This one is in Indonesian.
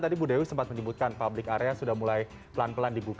tadi bu dewi sempat menyebutkan public area sudah mulai pelan pelan dibuka